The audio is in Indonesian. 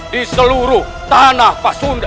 di seluruh tanah pasunda